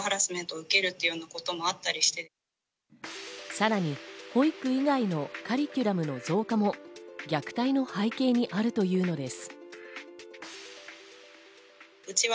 さらに保育以外のカリキュラムの増加も虐待の背景にあるというのです。